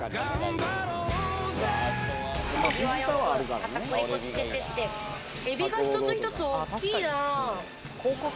手際よく片栗粉つけてって、エビが一つ一つ大きいな。